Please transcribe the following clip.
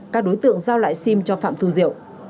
các đối tượng giao lại sim cho phạm thu diệu